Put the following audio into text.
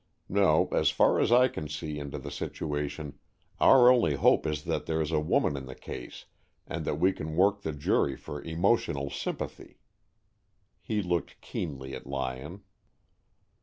No, as far as I can see into the situation, our only hope is that there is a woman in the case and that we can work the jury for emotional sympathy." He looked keenly at Lyon.